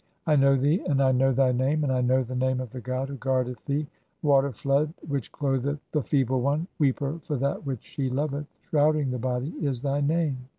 I know thee, and I know "thy name, and I know the name of the god who guardeth "thee. (26) 'Waterflood which clotheth the feeble one, weeper "for that which she loveth, shrouding the body', is thy name.